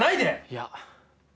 「いや」